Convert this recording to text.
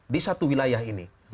di satu wilayah ini